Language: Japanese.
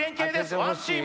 ワンチーム